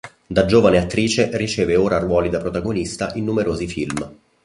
Da giovane attrice riceve ora ruoli da protagonista in numerosi film.